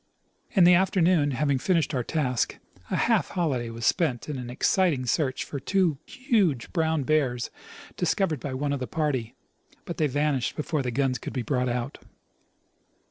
In the afternoon, having fin ished our task, a half holiday was spent in an exciting search for two huge brown bears discovered by one of the party, but they vanished before the guns could be brought out.